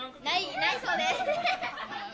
ないそうです。